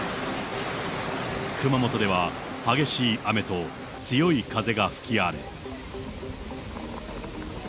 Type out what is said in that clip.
熊本では激しい雨と強い風が吹き荒れ。